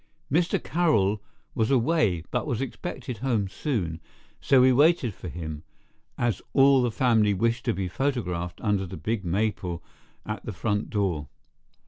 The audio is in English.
Mr. Carroll was away but was expected home soon, so we waited for him, as all the family wished to be photographed under the big maple at the front door.